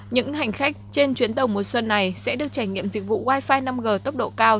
những hành khách trên chuyến tàu mùa xuân này sẽ được trải nghiệm dịch vụ wifi năm g tốc độ cao